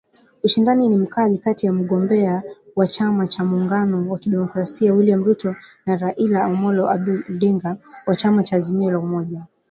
Ushindani ni mkali kati ya mgombea wa chama cha muungano wa kidemokrasia William Ruto na Raila Amollo Odinga wa chama cha Azimio la Umoja